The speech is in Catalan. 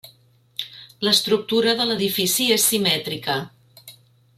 L'estructura de l'edifici és simètrica.